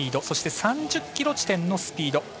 そして、３０ｋｍ地点のスピード